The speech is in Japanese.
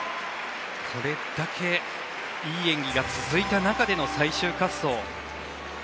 これだけいい演技が続いた中での最終滑走。